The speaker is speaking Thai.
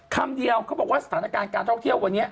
คำเดียวเขาบอกว่าสถานการณ์การท่องเที่ยววันนี้